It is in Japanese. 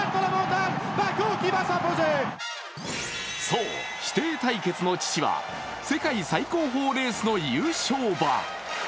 そう、シテイタイケツの父は世界最高峰レースの優勝馬。